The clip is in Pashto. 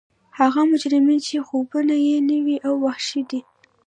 هغه مجرمین چې خوبونه یې نوي او وحشي دي